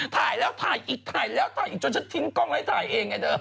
ถ่ายแล้วถ่ายอีกถ่ายแล้วจนฉันทิ้งกล้องไว้ไถ่เองไอ้เธอ